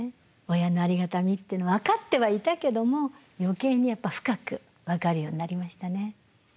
親のありがたみっていうのは分かってはいたけども余計にやっぱ深く分かるようになりましたね。